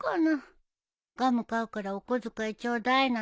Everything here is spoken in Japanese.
ガム買うからお小遣いちょうだいなんて言えないし